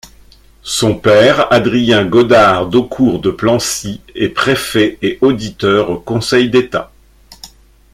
Son père Adrien Godard d'Aucour de Plancy est préfet et auditeur au Conseil d’État.